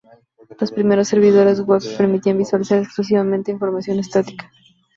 Los primeros servidores web permitían visualizar exclusivamente información estática.